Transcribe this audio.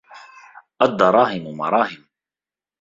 الدَّرَاهِمُ مَرَاهِمُ